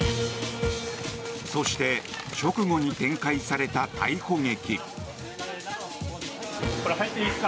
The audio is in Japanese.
そして直後に展開された逮捕劇。